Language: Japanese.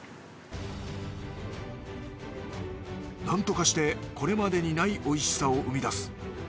なんとかしてこれまでにないおいしさを生み出す。